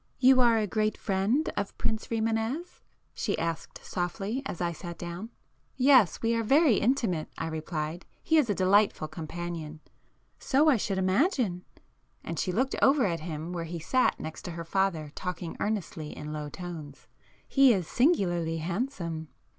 "You are a great friend of Prince Rimânez?" she asked softly, as I sat down. "Yes, we are very intimate," I replied—"He is a delightful companion." "So I should imagine!" and she looked over at him where he sat next to her father talking earnestly in low tones—"He is singularly handsome."